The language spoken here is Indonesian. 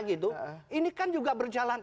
ini kan juga berjalan